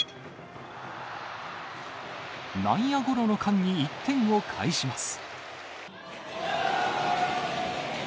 内野ゴロの間に１点を返します。